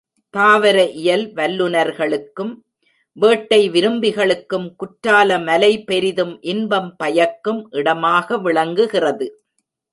தாவர இயல் வல்லுநர்களுக்கும், வேட்டை விரும்பிகளுக்கும் குற்றாலமலை பெரிதும் இன்பம் பயக்கும் இடமாக விளங்கு கிறது.